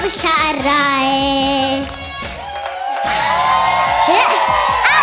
โมโฮโมโฮโมโฮ